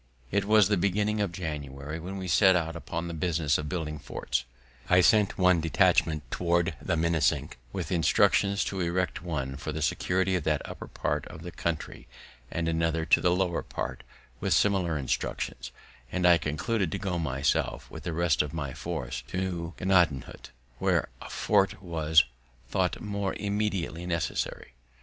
It was the beginning of January when we set out upon this business of building forts. I sent one detachment toward the Minisink, with instructions to erect one for the security of that upper part of the country, and another to the lower part, with similar instructions; and I concluded to go myself with the rest of my force to Gnadenhut, where a fort was tho't more immediately necessary.